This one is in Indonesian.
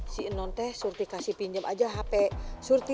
si non teh surti kasih pinjam aja hp surti